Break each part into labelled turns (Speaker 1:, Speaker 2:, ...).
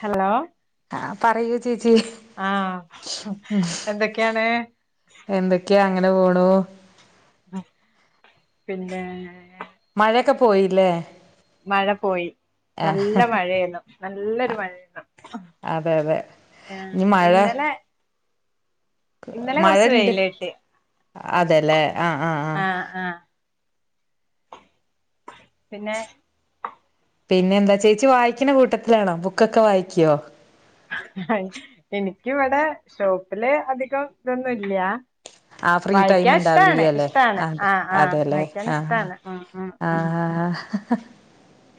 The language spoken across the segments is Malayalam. Speaker 1: ഹലോ
Speaker 2: ആ പറയൂ ചേച്ചി
Speaker 1: ആഹ് എന്തൊക്കെയാണ്?
Speaker 2: എന്തൊക്കെയാ അങ്ങനെ പോണു
Speaker 1: പിന്നെ
Speaker 2: മഴയൊക്കെ പോയില്ലേ?
Speaker 1: മഴ പോയി.
Speaker 2: ആ
Speaker 1: നല്ല മഴെന്നും നല്ലൊരു മഴാണ്
Speaker 2: ഇഞ്ഞ്മഴ
Speaker 1: ഇന്നലെ കൊറച്ച്
Speaker 2: മഴണ്ട്
Speaker 1: വെയില് കിട്ടി
Speaker 2: അതെല്ലേ ആഹ് ആഹ്
Speaker 1: പിന്നെ
Speaker 2: പിന്നെ എന്താ ചേച്ചി വായിക്കണ കൂട്ടത്തിലാണോ ബുക്കൊക്കെ വായിക്കോ?
Speaker 1: എനിക്ക ഇവിടെ ഷോപ്പില് അധികം ഇതൊന്നും ഇല്ല.
Speaker 2: ആ ഫ്രീ ടൈം
Speaker 1: വായിക്കാൻ ഇഷ്ടാണ്
Speaker 2: ഉണ്ടാവില്ലേ അല്ലേ
Speaker 1: ഇഷ്ടാണ്
Speaker 2: അതെ
Speaker 1: ആഹ് ആഹ് വായിക്കാൻ ഇഷ്ടാണ് ഉം ഉം ഉം
Speaker 2: ആഹാ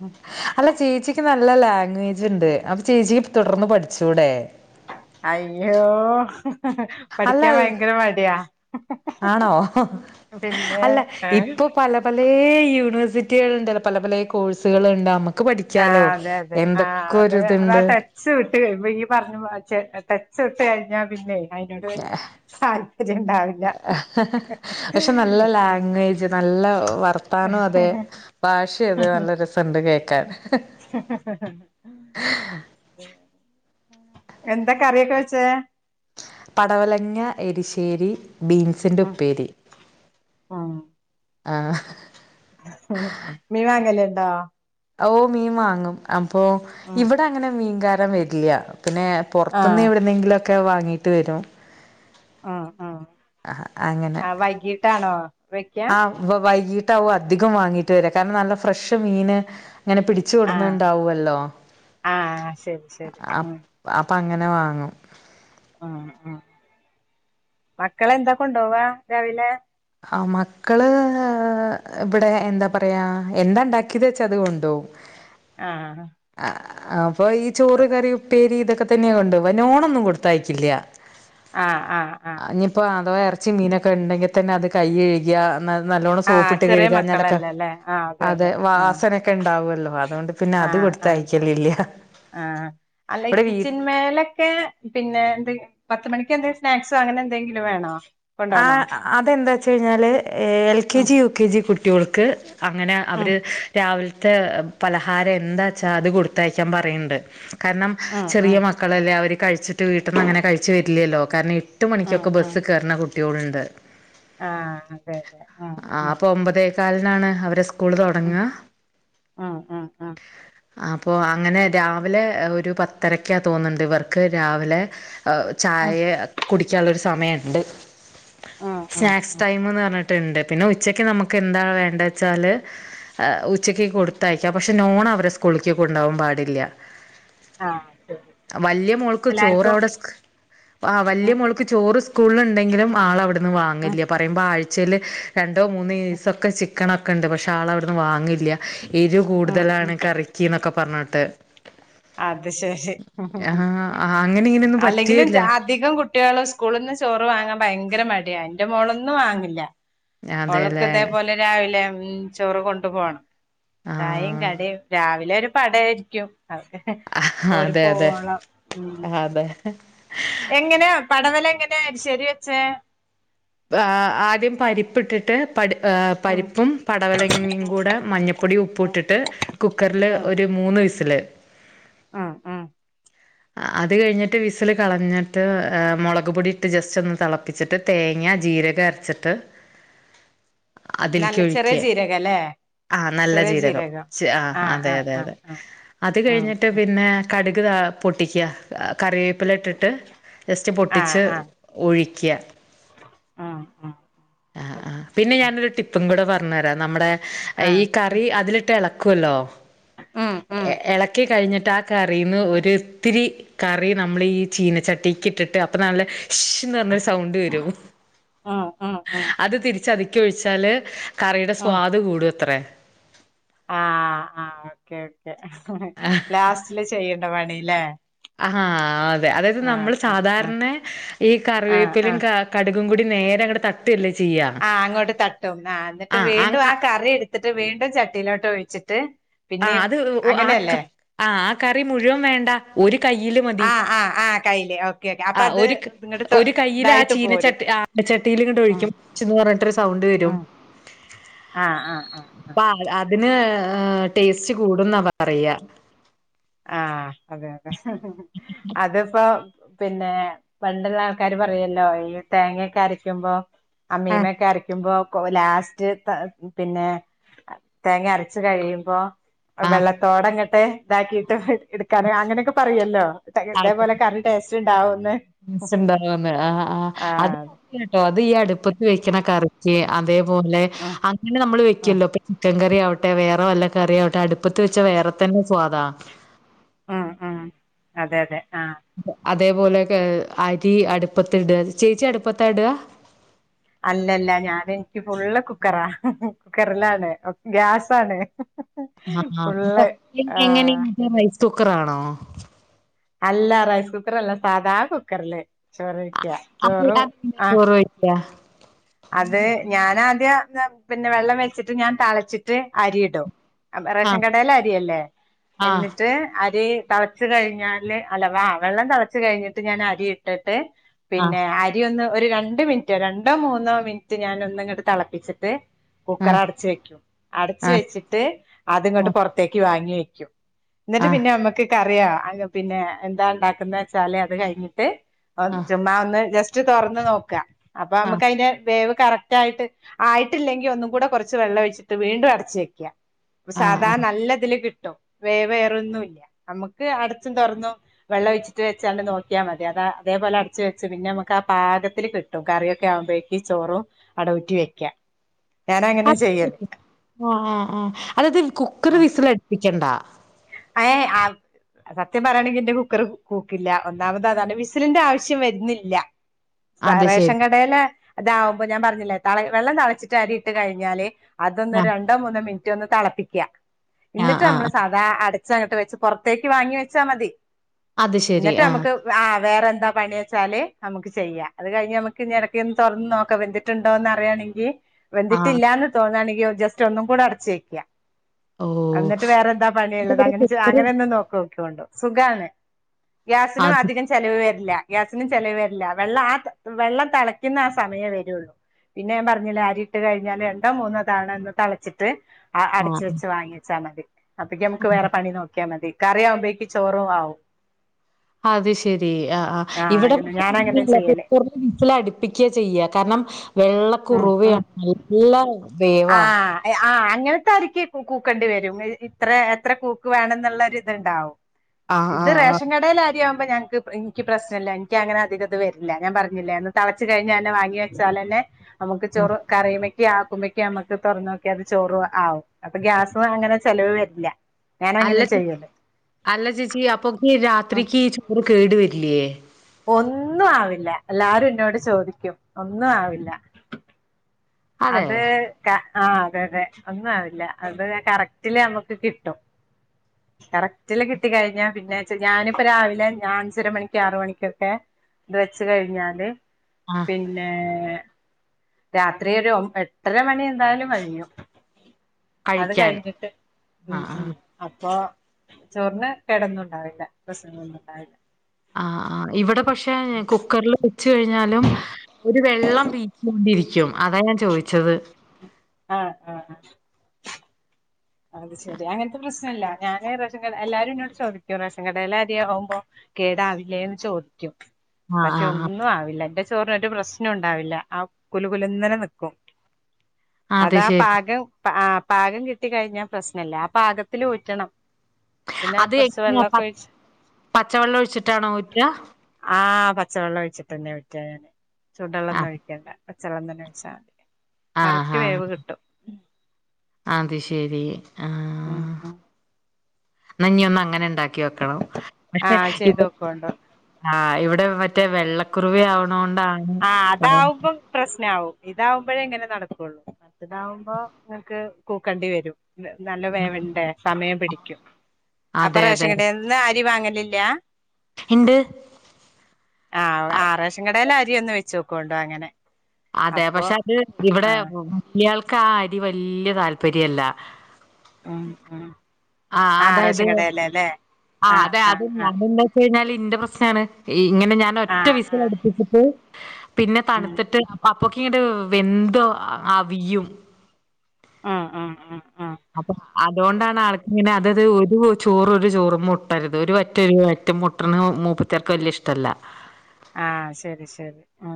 Speaker 1: ഉം
Speaker 2: അല്ല ചേച്ചിക്ക് നല്ല ലാംഗ്വേജ് ഉണ്ട് അപ്പൊ ചേച്ചിക്ക് തുടർന്ന് പഠിച്ചുടെ?
Speaker 1: അയ്യോ പഠിക്കാൻ
Speaker 2: അല്ല
Speaker 1: ഭയങ്കര മടിയാ
Speaker 2: ആണോ
Speaker 1: പിന്നെ
Speaker 2: അല്ല
Speaker 1: ഏഹ്
Speaker 2: ഇപ്പൊ പല പലേ യൂണിവേഴ്സിറ്റികൾണ്ടല്ല പല പലേ കോഴ്സുകളുണ്ട നമ്മുക്ക് നമുക്ക് പഠിക്കാലോ
Speaker 1: ആഹ് അതെ അതെ ആഹ്
Speaker 2: എന്തൊക്കെ
Speaker 1: അത്
Speaker 2: ഒര്
Speaker 1: അതാ
Speaker 2: തുണ്ട്
Speaker 1: ടച്ച് വിട്ട് കഴിയ്പോ ഈ പറഞ്ഞഞ് ടച്ച് വിട്ട കഴിഞ്ഞാ പിന്നെ അതിനോട് തന്നെ താല്പര്യംണ്ടാവില്ല
Speaker 2: പക്ഷെ നല്ല ലാംഗ്വേജ് നല്ല വർത്താനോ അതെ ഭാഷേ അതെ നല്ല രസണ്ട് കേക്കാൻ.
Speaker 1: ഹ്ഹ്ഹ് എന്തൊ കറിയൊക്കെ വെചേ?
Speaker 2: പടവലങ്ങ എരിശ്ശേരി, ബീൻസിന്റെ ഉപ്പേരി
Speaker 1: ആഹ്
Speaker 2: ആഹ്
Speaker 1: മീ വാങ്ങൽ ഉണ്ടോ?
Speaker 2: ഓ മീൻ വാങ്ങും അപ്പൊ
Speaker 1: ഉം
Speaker 2: ഇവിടെ അങ്ങനെ മീൻകാരം വരില്ല പിന്നെ
Speaker 1: ആ
Speaker 2: പുറത്തുന്ന് എവിടുന്നെങ്കിലൊക്കെ വാങ്ങീട്ട് വരും
Speaker 1: ഉം ഉം
Speaker 2: ആ അങ്ങനെ
Speaker 1: ആ വൈകീട്ടാണോ വെക്കാ?
Speaker 2: വൈകീട്ടാവോ അധികം വാങ്ങീട്ട് വരാ കാരണം നല്ല ഫ്രഷ് മീൻ ഇങ്ങനെ പിടി - ച്ച
Speaker 1: ആഹ്
Speaker 2: കൊടന്ന്ണ്ടാവല്ലോ
Speaker 1: ആഹ് ശരി ശരി
Speaker 2: അ
Speaker 1: ഉം
Speaker 2: അപ്പൊ അങ്ങനെ വാങ്ങും
Speaker 1: ആ ആ മക്കളന്താ കൊണ്ടുവാ രാവിലെ?
Speaker 2: ആ മക്കള് വിടെ ന്താ പറയാ എന്താ ണ്ടാക്കിയത് വെച്ച അത് കൊണ്ടോകും [inaudible]
Speaker 1: ആഹ്
Speaker 2: ആ അപ്പൊ ഈ ചോറ്, കറി, ഉപ്പേരി ഇതൊക്കെ തന്നെ കൊണ്ടോവാ നോണൊന്നും കൊടുത്തായിക്കില്ല.
Speaker 1: ആഹ് ആഹ് ആ
Speaker 2: പ്പോൾ അതോ ഇറച്ചി മീനൊക്കെ ണ്ടെങ്കിൽ തന്നെ അത് കൈ കഴുകിയാ നല്ലോണം
Speaker 1: ആഹ്
Speaker 2: സോപ്പട്ട്
Speaker 1: ചെറിയ
Speaker 2: കഴുകാണാഞ്ഞാലൊക്കെ
Speaker 1: മക്കളല്ലല്ലേ ആഹ് അതെ
Speaker 2: അത്
Speaker 1: അതെ ആഹ്
Speaker 2: വാസനൊക്കെണ്ടാവല്ലോ അതോണ്ട് പിന്നെ അത്
Speaker 1: ആഹ് ആഹ്
Speaker 2: കൊടുത്തയക്കലില്ല.
Speaker 1: ആഹ് അല്ല
Speaker 2: ഇവിടെ വീട്ട്
Speaker 1: ഇച്ചിന്മേലൊക്കെ പിന്നെ ന്തെ പത്ത് മണിക്ക് എന്തെങ്കും സ്നാക്സോ അങ്ങനെ എന്തെങ്കിലും വേണോ?
Speaker 2: ആ
Speaker 1: കൊണ്ടോണോ
Speaker 2: അതെന്താച്ചഴിഞ്ഞാല് എൽ കെ
Speaker 1: ഉം
Speaker 2: ജി യു കെ ജി കുട്ടികൾക്ക് അങ്ങനെ
Speaker 1: ഉം
Speaker 2: അവര് രാവിലത്തെ പലഹാരം എന്താച്ചാ അത് കൊടുത്തയക്കാൻ പറയണ്ട് കാരണം
Speaker 1: ഉം ഉം
Speaker 2: ചെറിയ മക്കളല്ലേ അവർ കഴിച്ചിട്ട് വീട്ടിൽന്നങ്ങനെ കഴിചിട്ട് വരില്ലല്ലോ കാരണം ട്ട്
Speaker 1: ഉം
Speaker 2: മണിക്കൊക്കെ ബസ്സ് കയറുന്ന കുട്ടികളുണ്ട്
Speaker 1: ആ അതെ ലെ
Speaker 2: ആപ്പൊ ഒമ്പതേ കാലിനാണ് അവരെ സ്കൂള്
Speaker 1: ഉം
Speaker 2: തുടങ്ങ?
Speaker 1: ഉം ഉം ഉം
Speaker 2: അപ്പൊ അങ്ങനെ രാവിലെ ഒരു പത്തരക്കാ തോന്നുന്നുണ്ട് ഇവർക്ക് രാവിലെ അ
Speaker 1: ഉം
Speaker 2: ചായയെ കുടിക്കാനുള്ളൊരു സമയണ്ട്.
Speaker 1: ഉം ഉം
Speaker 2: സ്നാക്സ്
Speaker 1: ഉം
Speaker 2: ടൈംന്ന് പറഞ്ഞിട്ടുണ്ട് പിന്നെ ഉച്ചക്ക് നമുക്ക് എന്താ വേണ്ട വെച്ചാല് ഉച്ചക്ക് കൊടുത്തയക്കാ പക്ഷെ നോൺ അവരെ സ്കൂളിലെക്ക് കൊണ്ടാകൻ പാടില്ല
Speaker 1: ആഹ് ശരി
Speaker 2: വലിയ മോൾക്ക്
Speaker 1: എല്ലാർക്കും
Speaker 2: ചോറവിടെ ആ വല്യയ
Speaker 1: ഉം
Speaker 2: മോള്ക്ക് ചോറ് സ്കൂളിൽ ണ്ടെങ്കിലും ആൾവിടന്ന്
Speaker 1: ഉം
Speaker 2: വാങ്ങില്ല പറയുമ്പോ ആഴ്ചയില് രണ്ടോ മൂന്നോ ഈസക്കെ ചിക്കനൊക്കെ ണ്ട് പക്ഷേ ആളവിടുന്ന് വാങ്ങില്ല എരി
Speaker 1: ഉം ഉം
Speaker 2: കൂടുതലാണ് കറിക് ചീ ന്നൊക്കെ പറഞ്ഞിട്ട്
Speaker 1: അത് ശരി
Speaker 2: ആ അങ്ങനെ ഇങ്ങനെയൊന്നും
Speaker 1: അല്ലെങ്കിലും
Speaker 2: പറ്റുകയില്ല
Speaker 1: അധികം കു- ട്ട്യാൽ സ്കൂളിൽ നിന്ന് ചോറ് വാങ്ങാൻ ഭയങ്കര മടിയാണ് എന്റെ മോളൊന്നും വാങ്ങില്ല
Speaker 2: അതെല്ലേ
Speaker 1: ഒള്ക്കിതേപോലെ രാവിലെ ചോറ് കൊണ്ടു പോകണം
Speaker 2: ആ
Speaker 1: ചയിം കടിം രാവിലെ ഒരു പട ആയിരിക്കും അവക്കെ ഓര്
Speaker 2: അതെ അതെ
Speaker 1: പോവോളം ഉം
Speaker 2: അതെ
Speaker 1: എങ്ങനെ പടവല എങ്ങനെയ എരിശ്ശേരി വെച്ചേ
Speaker 2: ആദ്യം പരിപ്പിട്ടിട്ട് പടി
Speaker 1: ഉം
Speaker 2: പരിപ്പും പടവലങ്ങയും
Speaker 1: ഉം
Speaker 2: കൂടെ മഞ്ഞൾപ്പൊടിയും
Speaker 1: ഉം
Speaker 2: ഉപ്പുട്ടിട്ട് കുക്കറില് ഒരു മൂന്ന് വിസില്
Speaker 1: ആ ആഹ്
Speaker 2: അത് കഴിഞ്ഞിട്ട് വിസിൽ കളഞ്ഞിട്ട് മുളക് പൊടി ഇട്ട് ജസ്റ്റ് ഒന്ന് തിളപ്പിച്ചിട്ട് തേങ്ങ ജീരക അരച്ചിട്ട് അതിലേക്ക്
Speaker 1: നല്ല ചെറിയ
Speaker 2: ഒഴിക്കുക
Speaker 1: ചീരക അല്ലേ
Speaker 2: ആ നല്ല ജീരകം ആ
Speaker 1: ആഹ്
Speaker 2: അതെ
Speaker 1: ആഹ്
Speaker 2: അതെ
Speaker 1: ആഹ്
Speaker 2: അതെ
Speaker 1: ആഹ്
Speaker 2: അത്
Speaker 1: ഉം
Speaker 2: കഴിഞ്ഞിട്ട്
Speaker 1: ഉം
Speaker 2: പിന്നെ കടുക് താ പൊട്ടിക്കുക കറിവേപ്പില ഇട്ടിട്ട് ജസ്റ്റ്
Speaker 1: ആഹ്
Speaker 2: പൊട്ടിച്ച് ഒഴിക്കുക
Speaker 1: ആഹ് ആഹ്
Speaker 2: പിന്നെ ഞാനൊരു ടിപ്പും കൂടെ പറഞ്ഞു തരാം നമ്മുടെ ഈ
Speaker 1: ആഹ്
Speaker 2: ക റി അതിലിട്ട് ഇളക്കുവല്ലോ
Speaker 1: ഉം ഉം
Speaker 2: ഇളക്കി കഴിഞ്ഞിട്ട് ആ കറിന്ന് ഒരിത്തിരി കറി നമ്മൾ ഈ ചീനച്ചട്ടിക്ക് ഇട്ടിട്ട് അപ്പൊ നല്ല ഇഷന്ന് പറഞ്ഞൊരു സൗണ്ട് വരും
Speaker 1: ആ
Speaker 2: അത് തിരിച്ച് ചതിക്ക് ഒഴിച്ചാല് കറിയുടെ
Speaker 1: ഉം
Speaker 2: സ്വാദ് കൂടൂ അത്രേ
Speaker 1: ആഹ് ആ ഓക്കെ ഓക്കേ ലാസ്റ്റില് ചെയ്യേണ്ട പണില്ലേ
Speaker 2: ഹാ അതെ അതായത്
Speaker 1: ആഹ്
Speaker 2: നമ്മൾ
Speaker 1: ആഹ് ആഹ്
Speaker 2: സാധാരണ ഈ
Speaker 1: ആഹ്
Speaker 2: കറിവേപ്പിലും
Speaker 1: ആഹ്
Speaker 2: ക കടുകും കൂടി നേരെ അങ്ങട്ട് തട്ട ത്തില്ലേ ചെയ്യാം
Speaker 1: ആഹ് അങ്ങോട്ട് തട്ടും ആ എന്നിട്ട് വീണ്ടും ആ കറി എടുത്തിട്ട് വീണ്ടും ചട്ടിയിലോട്ട് ഒഴിച്ചിട്ട്
Speaker 2: ആ
Speaker 1: പിന്നെയും
Speaker 2: അത് ആ
Speaker 1: അങ്ങനെയല്ലേ
Speaker 2: ആ് ആ കറി മുഴുവൻ വേണ്ട ഒരു കയ്യില് മതി
Speaker 1: കൈയിൽ ഓക്കെ ഓക്കെ
Speaker 2: ആ
Speaker 1: അപ്പൊ അത്
Speaker 2: ഒരു
Speaker 1: ഇങ്ങോട്ട് തൊ-
Speaker 2: ഒരു കയ്ൽ ആ
Speaker 1: ഇതായിട്ട് പോരും
Speaker 2: ചീനച്ചട്ടി ആനച്ചട്ടിൽ ഇങ്ങണ്ട്
Speaker 1: ഉം
Speaker 2: ഒഴിക്കും ച്ചന്ന് പറഞ്ഞിട്ടൊരു സൗണ്ട് വരും
Speaker 1: ആഹ് ആഹ് ആഹ്ആഹ്
Speaker 2: അപ്പ അതിന് ടേസ്റ്റ് കൂടുന്ന പറയ
Speaker 1: ആഹ് അതെ അതെ അതിപ്പോ പിന്നെ പണ്ടുള്ള ആൾക്കാര് പറയൂല്ലോ ഈ തേങ്ങൊക്കെ അരയ്ക്കുമ്പോ
Speaker 2: ആ
Speaker 1: അമ്മിമേക്കെ അര കുമ്പോ ലാസ്റ്റ് പിന്നെ തേങ്ങ അരച്ച് കഴിയുമ്പോ
Speaker 2: ആ
Speaker 1: വെള്ളത്തോടങ്ങട്ടെ ഇതാക്കിട്ട് എടുക്കൻ അങ്ങനെയൊക്കെ പറയല്ലോ ഇതേപോലെ കറി ടേസ്റ്റ് ഉണ്ടാവൂന്ന്
Speaker 2: [unintelligible] ആഹ് ആഹ് അത്
Speaker 1: അതെ
Speaker 2: [inaudible] കേട്ടോ അത് ഈ അടുപ്പത്തി വെക്കണ കറിക്ക് അതേപോലെ
Speaker 1: ഉം
Speaker 2: അങ്ങനെ നമ്മള്
Speaker 1: ഉം
Speaker 2: വെക്കല്ലോ ഇപ്പൊ ചിക്കൻ കറി ആവട്ടെ വേറെ വല്ല കറി ആവട്ടെ അടുപ്പത്ത് വെച്ച വേറെ തന്നെ സ്വാദാ
Speaker 1: ഉം ഉം അതെ അതെ ആഹ്
Speaker 2: അതേപോലെക് അരി അടുപ്പത്തി ഇട ചേച്ചി അടുപ്പത്ത ഇടുക
Speaker 1: അല്ലല്ല ഞാന് എനിക്ക് ഫുള്ള് കുക്കറ കുക്കറിലാണ് ഗ്യാസാണ്
Speaker 2: ആ
Speaker 1: ഫുള്ള്
Speaker 2: [unintelligible] എങ്ങനെ
Speaker 1: ആഹ്
Speaker 2: നിങ്ങനെ റൈസ് കുക്കറാണോ?
Speaker 1: അല്ലാ റൈസ് കുക്കർ അല്ലാ സാദാ കുക്കറില് ചോറ്രിക്ക ചോറും ആഹ
Speaker 2: അ
Speaker 1: അത്. ഞാൻ ആദ്യം പിന്നെ വെള്ളം വെച്ചിട്ട് ഞാൻ തളച്ചിട്ട് അരി ഇടും റേഷൻ
Speaker 2: ആഹ്
Speaker 1: കടേലെ അരിയല്ലേ.
Speaker 2: ആഹ്
Speaker 1: എന്നിട്ട് അരി തളച് കഴിഞ്ഞാല് അല്ല വ വെള്ളം തെളച് കഴിഞ്ഞിട്ട് ഞാൻ അരി ഇട്ടിട്ട്
Speaker 2: ആഹ്
Speaker 1: പിന്നെ അരി ഒന്ന് ഒരു രണ്ട് മിൻറ്റോ രണ്ടോ മൂന്നോ മിനിറ്റ് ഞാൻ ഒന്ന് ഇങ്ങട്ട് തളപ്പിച്ചിട്ട് കുക്കർ അടച്ച് വെക്കും. അടച്ച്
Speaker 2: ആഹ്
Speaker 1: വെച്ചിട്ട് അതിങ്ങട്ട്
Speaker 2: ആഹ്
Speaker 1: പൊറത്തേക്ക് വാങ്ങി വെക്കും ഇന്നട്ട്
Speaker 2: ആഹ്
Speaker 1: പിന്നെ നമ്മക്ക് കറിയാ പിന്നെ എന്താ ഇണ്ടാക്കുന്ന വെച്ചാല് അത് കഴിഞ്ഞിട്ട്
Speaker 2: ആഹ്
Speaker 1: ചുമ്മാ ഒന്ന് ജസ്റ്റ് തൊറന്ന് നോക്ക അപ്പൊ
Speaker 2: ആഹ്
Speaker 1: നമുക്ക് അതിന്റെ വ് കറക്റ്റ് ആായിട്ട് ആയിട്ടില്ലെങ്കിൽ ഒന്നും കൂടെ കുറച്ച് വെള്ളം വെച്ചിട്ട് വീണ്ടും അടച്ച വെക്ക
Speaker 2: ആഹ് ആഹ്
Speaker 1: സാധാ
Speaker 2: ആഹ്
Speaker 1: നല്ല ഇതില് കിട്ടും. വേവേറൊന്നുല്ല അമ്മക്ക് അടച്ചും തൊറന്നു വെള്ള ഒഴിച്ചിട്ട് വെച്ചാണ്ട് നോക്കിയാ മതി. അത് അതേപോലെ അടച്ച് വെച്ച് പിന്നെ നമക്ക് ആ പാകത്തില് കിട്ടും. കറിയൊക്കെ ആകുമ്പ ചോറും അടവിറ്റി വെക്ക ഞാൻ അങ്ങനെ ചെയ്യല്
Speaker 2: അത് ആഹ് ആഹ് ആഹ് അതത് കുക്കർ വിസൽ അടുപ്പിച്ചണ്ടാ
Speaker 1: എഹ് ആഹ് സത്യം പറയയാണെങ്കി ഇന്റെ കുക്കർ കൂക്കില്ല. ഒന്നാമത് അതാണ് വിസിലിന്റെ ആവശ്യം വെരുന്നില്ല
Speaker 2: അത് ശരി
Speaker 1: റേഷൻകടേല്ല ഇതാവുമ്പോ ഞാൻ പറഞ്ഞില്ലേ തള വെള്ളം തെളച്ചിട്ട് അരി ഇട്ട് കഴിഞ്ഞാല് അതൊന്ന്
Speaker 2: ആഹ്
Speaker 1: രണ്ടോ മൂന്നോ മിനിറ്റോ ഒന്ന് തളപ്പിക്ക
Speaker 2: ആഹ്
Speaker 1: ഇന്നട്ട് നമ്മള്
Speaker 2: ആഹ്
Speaker 1: സാധ അത അടച്ചങ്ങട്ട് വെച്ച് പൊറത്തേക്ക് വാങ്ങി വെച്ചാ മതി.
Speaker 2: അത് ശരി
Speaker 1: ഇന്നട്ട്
Speaker 2: ആഹ്
Speaker 1: നമക്ക് ആഹ് വേറെ എന്താ പണി വെച്ചാല് നമക്ക് ചെയ്യ. അത് കഴിഞ് നമക്ക് എടക്ക് [unintelligible] ന്ന് തൊറന്ന് നോക്ക വെന് ണ്ടോന്ന് അറിയാണെങ്കി
Speaker 2: ആഹ്
Speaker 1: വെന്തിട്ടില്ലാന്ന് തോന്നാണെങ്കി ജസ്റ്റ് ഒന്നും കൂടെ അടച്ച് വെക്ക
Speaker 2: ഓ
Speaker 1: എന്നിട്ട് വേറെന്താ
Speaker 2: ഇവിടെ
Speaker 1: [unintelligible]
Speaker 2: കുക്കർ
Speaker 1: അങ്ങെനെന്ന് നോക്കോക്ക്യാേണ്ടു സുഖാണ് ഗ്യാസിന്
Speaker 2: അത്
Speaker 1: അതി ചെലവ് വര്ല്ല. ഗ്യാസിനു ചെലവ് വര്ല്ല. വെള്ളം ആ വെള്ളംതെളയ്ക്കുന്ന ആ സമയേ വരൊള്ളൂ പിന്നെ ഞാൻ പറഞ്ഞില്ലെ അരി ഇട്ട് കഴിഞ്ഞാല് അണ്ടോ മൂന്നോ തളതാ [unintelligible] ന്ന് തളച്ചിട്ട് അടച്ച്
Speaker 2: ആഹ്
Speaker 1: വെച്ച് വാങ്ങി വച്ചാ മതി. അപ്പ നമുക്ക് വേറെ പണി നോക്ക്യാ മതി. കറി ആവുമ്പെഴേക്ക് ചോറും ആവും
Speaker 2: അത് ശരി ആഹ് ആഹ് ഇവിടെ
Speaker 1: അങ്ങനെ ഞാൻ
Speaker 2: [unintelligible]
Speaker 1: അങ്ങനെ ചെയ്യല്
Speaker 2: വിസിലടിപ്പിക്ക്യ ചെയ്യ കാര്ണം
Speaker 1: ഉം ഉം
Speaker 2: വെള്ളക്കുറുവയാണ് നല്ല [unintelligible]
Speaker 1: ആഹ് ആഹ് അങ്ങനത്തെ ആരിക്ക് കൂക്കേണ്ടി വെരും. ഇത്ര എത്ര കൂക്ക് വേണം എന്നുള്ളര് ഇത്ണ്ടാവും
Speaker 2: ആഹ്
Speaker 1: ഇത്
Speaker 2: ആഹ് ആഹ്
Speaker 1: റേഷൻ കടേലെ ആര്യാവുമ്പോ ഞ ഇൻക്ക് പ്രശ്ന ഇല്ല ഇൻക്ക് അങ്ങനെ അധിക ഇത് വര്ല്ല. ഞാൻ പറഞ്ഞില്ലേ എന്ന് തളച്ചു കഴിഞ്ഞാല് വാങ്ങി വെച്ചാലെന്നെ നമുക്ക്
Speaker 2: ആഹ്
Speaker 1: ചെറു കറിയുമക്ക് ആഹ് ക്ക്യ നമ്മക്ക് തൊറന്നോക്ക്യ അത് ചോറു ആവും. അപ്പൊ ഗ്യാസും അങ്ങനെ ചെലവ് വര്ല്ല
Speaker 2: അല്ല [unintelligible] അല്ല ചേച്ചി അപ്പൊക്ക് ഈ
Speaker 1: ഉം
Speaker 2: രാത്രിക്ക് ചോറ് കേട് വര്ലേ?
Speaker 1: ഒന്നും ആവില്ല. എല്ലാരും ഇന്നോട് ചോദിക്കും ഒന്നും ആവില്ല
Speaker 2: അതെ
Speaker 1: അത് ക്കഹ് ആഹ് അതെ അതെ ഒന്നും ആവില്ല അത് കറക്റ്റില് അമ്മക്ക് കിട്ടും കറക്റ്റില കിട്ടി കഴിഞ്ഞ പിന്നെ ഞാനിപ്പ രാവിലെ ഞാ അഞ്ചര മണിക്ക് ആറ് മണിക്കൊക്കെ ഇത് വെച്ച് കഴിഞ്ഞാല്
Speaker 2: ആഹ്
Speaker 1: പിന്നേ എത്രയൊരു എട്ട്ര മണി എന്തായാലും കഴിയും അത്
Speaker 2: കഴിക്കാൻ
Speaker 1: കഴിഞ്ഞിട്ട് ഉം
Speaker 2: ആഹ്
Speaker 1: ഉം
Speaker 2: ആഹ്
Speaker 1: അപ്പൊ ചോറിന് കെടൊന്നുണ്ടാവില്ല. പ്രശ്നൊന്നും ഉണ്ടാവില്ല
Speaker 2: അഹ് ആഹ് ഇവടെ പക്ഷെ കുക്കറ്ല് വെച്ച് കഴിഞ്ഞാലും ഒരു വെള്ളം വീക്ക് കൊണ്ടിരി ക്ക്യും അതാ ഞാൻ ചോദിച്ചത്
Speaker 1: അഹ് ആഹ് ആഹ് അത് ശെരി. അങ്ങൻത്തെ പ്രസ്നല്ല. ഞാന് റേഷൻ കട എല്ലാരും ഇന്നോട് ചോദിക്കും റേഷൻ കടേലെ അര്യാവു മ്പൊ കേടാവില്ലേന്ന് ചോദിക്കും.
Speaker 2: ആഹ്
Speaker 1: പക്ഷെ
Speaker 2: ആഹ്
Speaker 1: ഒന്നും ആവില്ല എന്റെ ചോറിനൊരു പ്രശ്നം ഉണ്ടാവില്ല. ആ കുലുകുലന്നനെ നിക്കും
Speaker 2: അത്
Speaker 1: അതാ
Speaker 2: ശരി
Speaker 1: പാകം ആഹ് പാകം കിട്ട ട്ടി കഴിഞ്ഞാ പ്രസ്നല്ല ആ പാകത്തിൽ ഊറ്റണം പിന്നെ
Speaker 2: അത്
Speaker 1: കുറച്ച്
Speaker 2: എങ്ങ
Speaker 1: വെള്ളമൊക്കെ ഒഴിച്ച്
Speaker 2: പച്ചവെള്ളം ഒഴിച്ചിട്ടാണോ ഊറ്റ
Speaker 1: ആഹ പച്ചവെള്ളം ഒഴിച്ചിട്ട്ന്നെ വിറ്റ ഞാന് ചൂടുെള്ളം ഒന്നും
Speaker 2: ആഹ്
Speaker 1: ഒഴിക്കണ്ട പച്ചെളം തന്ന ഓച്ചാൽ മതി കറക്റ്റ് വേവ് കിട്ട
Speaker 2: ആ അത് ശരി ആഹ
Speaker 1: ഉ ഹ്
Speaker 2: നഞ്ഞിന്ന് അങ്ങനെ ഉണ്ടാക്കി വെക്കണം പക്ഷെ
Speaker 1: ആഹ്
Speaker 2: ഇപ്പ
Speaker 1: ചെയ്തോക്കോണ്ടു
Speaker 2: ആഹ് ഇവിടെ മറ്റേ വെള്ളക്കുറിവി ആവണണ്ടാണ്
Speaker 1: ആഹ് അതാവുമ്പം പ്രശ്ന ആവും ഇതാവുമ്പോഴേ എങ്ങനെ നടക്കുള്ളൂ താവുമ്പോ നിക്ക് കൂക്കേണ്ടി വരും ല്ലേ നല്ല വേവ്വേണ്ട സമയം പിടിക്കും അപ്പൊ
Speaker 2: അതെ
Speaker 1: റേഷൻ
Speaker 2: അതെ
Speaker 1: ക ന്ന് അരി വാങ്ങലില്ല
Speaker 2: ഇണ്ട്
Speaker 1: ആഹ ആ റേഷകടേല അരി ഒന്ന് വെച്ചക്കെണ്ടോ അങ്ങനെ
Speaker 2: അതെ
Speaker 1: അപ്പൊ
Speaker 2: പക്ഷെ അത് ഇവിടെ
Speaker 1: ആഹ്
Speaker 2: ഇയാൾക്ക് ആ അരി വല്യ താല്പര്യല്ല
Speaker 1: ആഹ ആഹ
Speaker 2: ആ അതായത് ആ
Speaker 1: ആഹ്
Speaker 2: അതെ അത്
Speaker 1: ആഹ്
Speaker 2: ഞാന
Speaker 1: ആഹ്
Speaker 2: എന്താ വച്ച കഴിഞ്ഞാല് ഇന്റെ പ്രശ്നമാണ് ഇങ്ങനെ ഞാൻ ഒറ്റ
Speaker 1: ആഹ്
Speaker 2: വിസ
Speaker 1: ആഹ്
Speaker 2: അടുപ്പിച്ചിട്ട് പിന്നെ
Speaker 1: ഉം
Speaker 2: തണുത്തിട്ട് അപ്പൊക്ക ഇങ്ങട്ട വെന്ത അവിയും
Speaker 1: ആഹ ആഹ ആഹ ആഹ
Speaker 2: അപ്പൊ അതുകൊണ്ടാണ് ആൾക്ക ഇങ്ങനെ അതത് ഒരു ചോർ ഒരു ചോറ്മ്മേ ഓട്ടരുത് ഒരു വറ്റ് ഒർവറ്റിമെ ഒറ്റ ട്ട്ണ് മൂപ്പത്തേർക്ക് വലിയ ഇഷ്ടല്ല
Speaker 1: ആഹ ശരി ശരി ആ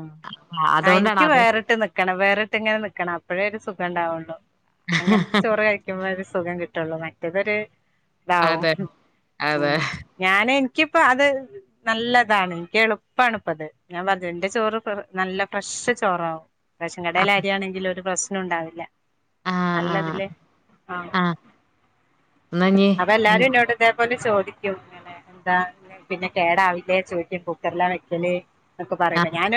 Speaker 1: ആ
Speaker 2: അതുകൊണ്ടാണ്
Speaker 1: എനിക്ക്
Speaker 2: അത്
Speaker 1: വേറിട്ട് നി ക്കണം വേറിട്ട് ഇങ്ങനെ നിക്കണം അപ്പഴേ ഒരു സുഖം ഉണ്ടാവുള്ളു അങ്ങനത്തെ ചോറ് കഴി ക്കുമ്പ ഒരു സുഖം കിട്ടുള്ളൂ മറ്റേതൊരു ഇതാവും
Speaker 2: അതെ
Speaker 1: ഉം
Speaker 2: അതെ
Speaker 1: ഉ ഞൻ നിക്കിപ്പോ അത് നല്ലതാണ് എനിക്ക എളു പ്പണിപ്പത്. ഞാൻ പറഞ്ഞ എന്റെ ചോറ് നല്ല ഫ്രഷ് ചോറാവും റേഷൻ കടൽ
Speaker 2: ആഹ്
Speaker 1: ആരിയാണെങ്കിൽ ഒരു പ്രശ്നം ഉണ്ടാവില്ല
Speaker 2: ആഹ് ആഹ്
Speaker 1: നല്ലതില്ലേ ആ
Speaker 2: ആഹ് എന്നാ ഇഞ്ഞ്
Speaker 1: അപ്പ എല്ലാരും എന്നോട് തേപോലെ ചോദിക്കും അങ്ങനെ എന്താ പിന്നെ കേടാവില്ല ചോദിക്കും കുക്കറില്ലാ വെക്കല് ഒക്ക പറയ്പ
Speaker 2: ആഹ്
Speaker 1: ഞാൻ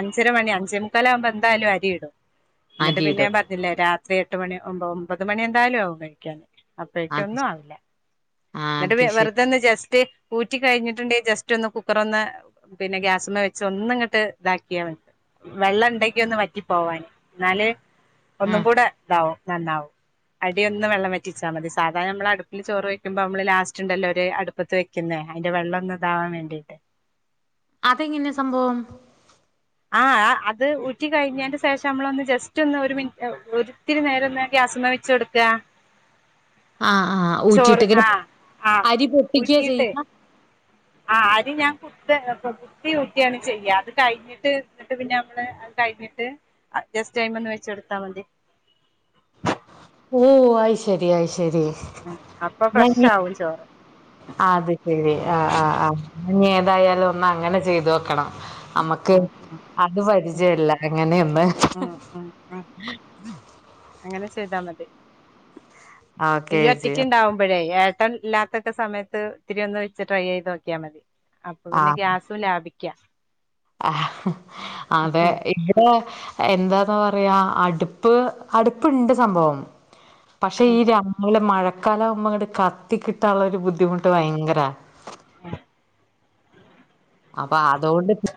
Speaker 1: അഞ്ചര മണി അഞ്ച മുക്കാല ആവുമ്പോ എന്തായാലും അരി ഇടും എന്നിട്ട് പിന്നെ
Speaker 2: അരിയിടും
Speaker 1: ഞാൻ പറഞ്ഞില്ലേ രാത്രി എട്ട് മണി ഒമ്പത് മണി എന്തായാലും ആവും കഴിക്കൻ അപ്പേയ്ക്ക്
Speaker 2: അതെ
Speaker 1: ഒന്നും ആവില്ല
Speaker 2: ആഹ് അത്
Speaker 1: എന്നിട്ട്
Speaker 2: ശരി
Speaker 1: വെറുതൊന്ന് ജസ്റ്റ് ഊറ്റി കഴിഞ്ഞിട്ടുണ്ടങ്കിൽ ജസ്റ്റ് ഒന്ന് കുക്കർ ഒന്ന് പിന്നെ ഗ്യാസമ്മ വെച്ച് ഒന്ന് ഇങ്ങട്ട് ഇതാക്കിയാ മ വെള്ളം ഇണ്ടങ്കി ഒന്ന് വറ്റി പോവാൻ എന്നാല് ഒന്നും
Speaker 2: ആഹ്
Speaker 1: കൂടെ ഇതാവും നന്നാവും അടി ഒന്ന് വെള്ളം വറ്റിച്ചാ മതി സാധാ നമ്മളൾ അടുപ്പില് ചോറ് വെക്കുമ്പോ നമ്മള് ലാസ്റ്റ് ഇണ്ടല്ലോ ഒരു അടുപത്ത് വെ ക്ക്ന്ന് അയിന്റെ വെള്ളന്ന് ഇതാവാൻ വേണ്ടിയിട്ട്
Speaker 2: അതെങ്ങനെ സംഭവം
Speaker 1: ആ അത് ഉറ്റി കൈന്നെന്റെ ശേഷം നമ്മളൊന്ന് ജസ്റ്റ് ഒന്ന് ഒരു മിനി അഹ് ഒരു ത്തിരി നേരം ഒന്ന് അ ഗ്യാസമ്മേ വച്ച് കൊടുക്ക
Speaker 2: ആഹ ആഹ്
Speaker 1: ചോറ്
Speaker 2: ഊറ്റിയിട്ടക്കനെ
Speaker 1: ആഹ് ആഹ്
Speaker 2: അരി പൊട്ടിക്കെ ചെയ്യ
Speaker 1: ആഹ് അരി ഞാൻ കു ത് [unintelligible] കുത്തിഉറ്റെന്ന് ചെയ്യ അത് കഴിഞ്ഞിട്ട് എന്നിട്ട് പിന്നെ നമ്മള് അത് കഴിഞ്ഞിട്ട് അഡ് ജസ്റ്റ് അയിമ്മേ ഒന്ന് വെച്ചെടുത്താൽ മതി
Speaker 2: ഓ ആയി ശരി ആയി ശരി
Speaker 1: ഉ അപ്പൊ ഫ്രഷ ആവും ചോറ്
Speaker 2: അത് ശെരി ആ ആ ആ ഇനി ഏതായാലും ഒന്ന് അങ്ങനെ ചെയ്തു നോക്കണം നമക്ക്
Speaker 1: ഉം ഉം
Speaker 2: അത്
Speaker 1: ഉം
Speaker 2: പരിചയല്ല എങ്ങനെയൊന്ന്
Speaker 1: ഉം ഉം ഉം അങ്ങനെ ചെയ്താ മതി
Speaker 2: ഓക്കെ
Speaker 1: ഇയ്യ്
Speaker 2: ചേച്ചി
Speaker 1: ഒറ്റക്ക്ണ്ടാവുമ്പോഴേ ഏട്ടൻ ഇല്ലാ ത്തസമയത്ത് ഒത്തിരി ഒന്ന് വെച്ച് ട്രൈ ചെയ്ത് നോക്കിയാൽ മതി അപ്പൊ പിന്നെ ഗ്യാസും ലാഭിക്കാ
Speaker 2: ആ അതെ
Speaker 1: ഉം
Speaker 2: എന്താന്ന പറയാ അടുപ്പ് അടുപ്പ് ഇണ്ട് സംഭവം പക്ഷെ ഈ
Speaker 1: ഉം
Speaker 2: രാവിലെ മഴ ഴക്കാലവുമ്മ അങ്ങട് കത്തി കിട്ടാനുള്ള ഒരു ബുദ്ധിമുട്ട് ഭയങ്കര
Speaker 1: ഉം
Speaker 2: അപ്പൊ അതുകൊണ്ട്